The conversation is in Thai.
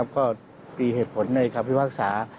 ก็มีเหตุผลในคำพิพากษา